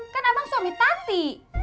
kan abang suami tati